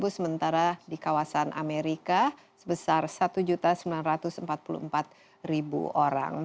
sementara di kawasan amerika sebesar satu sembilan ratus empat puluh empat orang